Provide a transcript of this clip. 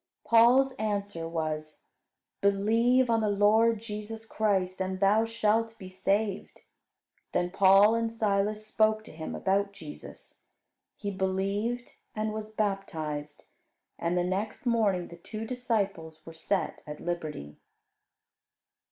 Paul's answer was, "Believe on the Lord Jesus Christ and thou shalt be saved." Then Paul and Silas spoke to him about Jesus. He believed, and was baptized; and the next morning the two disciples were set at liberty.